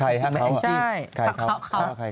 ใครฮะเขาถามจริงหรือไม่น่ะใช่